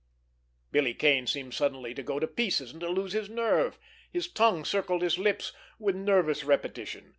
Billy Kane seemed suddenly to go to pieces and to lose his nerve. His tongue circled his lips with nervous repetition.